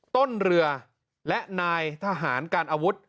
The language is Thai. ต้นเรือและนายทหารการอาวุธ